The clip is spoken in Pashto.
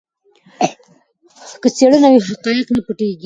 که څېړنه وي نو حقایق نه پټیږي.